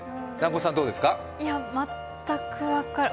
いや、全く分からない。